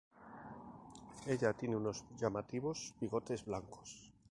Ella tiene unos llamativos bigotes blancos.